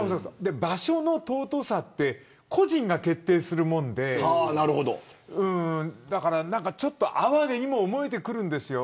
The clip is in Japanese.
場所の尊さって個人が決定するものでちょっと哀れにも思えます。